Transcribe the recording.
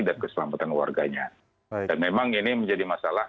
dan juga untuk kegagalannya dan memang ini menjadi masalah